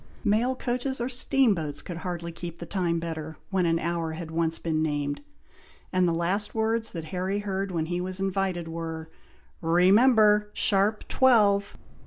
Mail coaches or steamboats could hardly keep the time better, when an hour had once been named, and the last words that Harry heard when he was invited were, "Remember! sharp twelve."